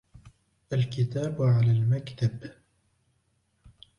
الكتاب على المكتب.